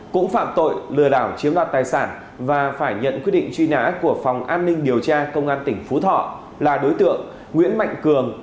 cũng phạm tội lừa đảo chiếm đoạt tài sản và phải nhận quyết định truy nã của phòng an ninh điều tra công an tỉnh phú thọ là đối tượng nguyễn mạnh cường